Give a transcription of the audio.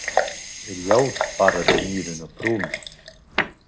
E glieud para da gnir üna pruna.